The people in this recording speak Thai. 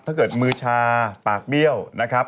ถ้าเกิดมือชาปากเบี้ยวนะครับ